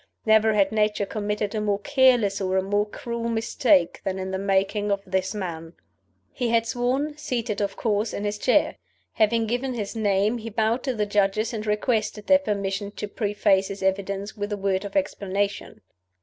Never had Nature committed a more careless or a more cruel mistake than in the making of this man! He was sworn, seated, of course, in his chair. Having given his name, he bowed to the Judges and requested their permission to preface his evidence with a word of explanation.